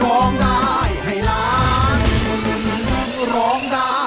ร้องได้ให้ล้าน